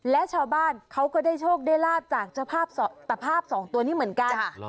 และชาวบ้านเขาก็ได้โชคได้ลาบจากเจ้าภาพตะภาพสองตัวนี้เหมือนกัน